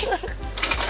ya juga sih